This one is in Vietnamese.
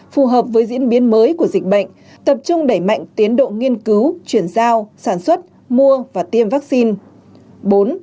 phù hợp với diễn biến mới của dịch bệnh tập trung đẩy mạnh tiến độ nghiên cứu chuyển giao sản xuất mua và tiêm vaccine